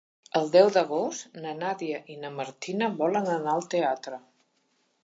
El deu d'agost na Nàdia i na Martina volen anar al teatre.